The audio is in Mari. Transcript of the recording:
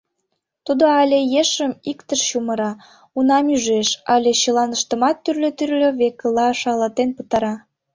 Тудо але ешым иктыш чумыра, унам ӱжеш, але чылаштымат тӱрлӧ-тӱрлӧ векыла шалатен пытара.